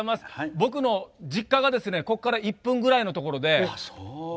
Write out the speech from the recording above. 僕の実家がここから１分ぐらいのところで。